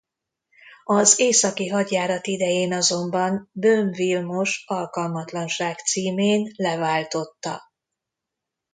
Az északi hadjárat idején azonban Böhm Vilmos alkalmatlanság címén leváltotta.